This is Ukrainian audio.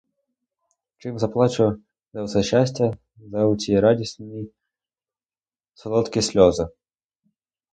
Чим заплачу за оце щастя, за оці радісні, солодкі сльози?